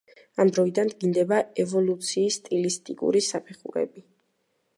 ამ დროიდან დგინდება ევოლუციის სტილისტიკური საფეხურები.